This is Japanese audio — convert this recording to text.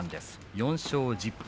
４勝１０敗